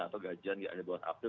atau gajian ya ada bulan april